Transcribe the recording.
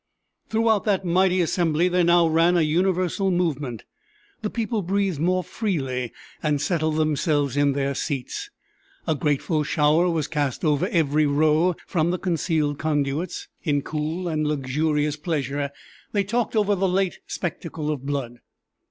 Throughout that mighty assembly there now ran a universal movement; the people breathed more freely and settled themselves in their seats. A grateful shower was cast over every row from the concealed conduits. In cool and luxurious pleasure they talked over the late spectacle of blood.